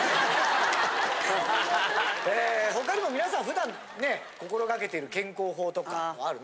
え他にも皆さん普段ね心がけてる健康法とかあるの？